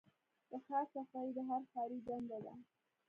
د ښار صفايي د هر ښاري دنده ده.